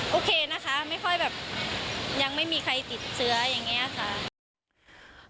โอเคนะคะไม่ค่อยแบบยังไม่มีใครติดเชื้ออย่างนี้ค่ะ